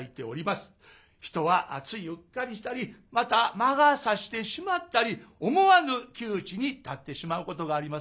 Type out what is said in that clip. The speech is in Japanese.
人はついうっかりしたりまた魔が差してしまったり思わぬ窮地に立ってしまうことがありますね。